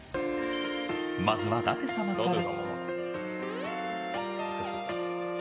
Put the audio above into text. まずは舘様から。